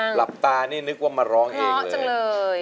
จับมือประคองขอร้องอย่าได้เปลี่ยนไป